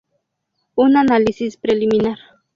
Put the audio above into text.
Un análisis preliminar.